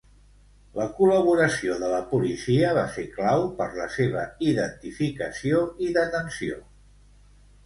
La col·laboració de la policia va ser clau per la seva identificació i detenció.